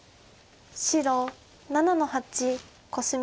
白７の八コスミ。